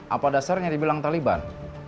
apa dasarnya dibilang taliban